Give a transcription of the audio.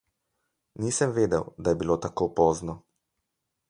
Nisem vedel, da je bilo tako pozno.